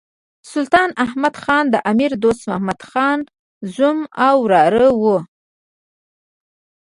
سلطان احمد خان د امیر دوست محمد خان زوم او وراره وو.